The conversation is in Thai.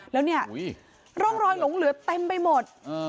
แล้วเนี่ยร่องรอยหลงเหลือเต็มไปหมด